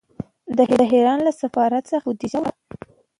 د ایران له سفارت څخه یې بودجه راوړه.